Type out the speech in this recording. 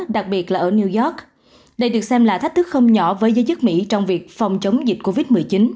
đặc biệt là ở new york đây được xem là thách thức không nhỏ với giới chức mỹ trong việc phòng chống dịch covid một mươi chín